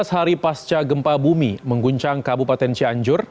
sebelas hari pasca gempa bumi mengguncang kabupaten cianjur